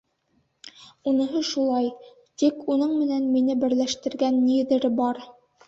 Уныһы шулай, Тик уның менән мине берләштергән ниҙер бар.